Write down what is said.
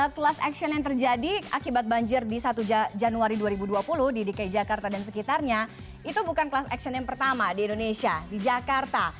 class action yang terjadi akibat banjir di satu januari dua ribu dua puluh di dki jakarta dan sekitarnya itu bukan class action yang pertama di indonesia di jakarta